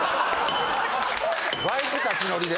バイク立ち乗りで？